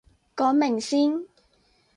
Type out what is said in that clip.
講明先